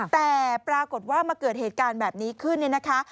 แต่ปรากฏว่ามาเกิดเหตุการณ์แบบนี้ขึ้นเนี่ยนะคะ